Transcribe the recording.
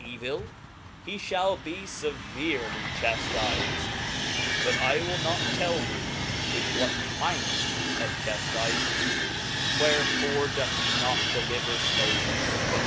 "^* evil ? he fliall be fevercly chaftifed, but I will not tell thee with ^''^'™''^ what kind of chaftifement. Wherfore doth he not deliver flaves?